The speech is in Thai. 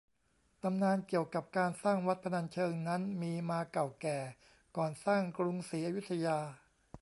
ตำนานเกี่ยวกับการสร้างวัดพนัญเชิงนั้นมีมาเก่าแก่ก่อนสร้างกรุงศรีอยุธยา